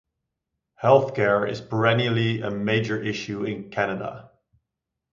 Healthcare is perennially a major issue in Canada.